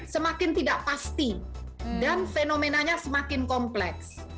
semakin tidak pasti dan fenomenanya semakin kompleks